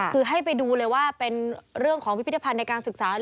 คือให้ไปดูเลยว่าเป็นเรื่องของพิพิธภัณฑ์ในการศึกษา